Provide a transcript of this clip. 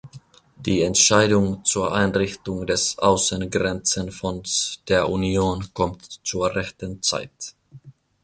Die Entscheidung zur Einrichtung des Außengrenzenfonds der Union kommt zur rechten Zeit.